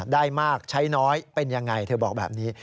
ได้มากใช้น้อยเป็นยังไงเธอบอกแบบนี้